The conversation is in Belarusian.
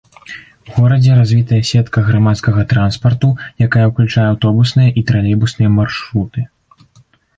У горадзе развітая сетка грамадскага транспарту, якая ўключае аўтобусная і тралейбусныя маршруты.